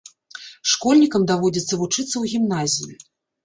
Школьнікам даводзіцца вучыцца ў гімназіі.